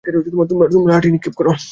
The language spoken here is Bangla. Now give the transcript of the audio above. তোমার লাঠি নিক্ষেপ কর।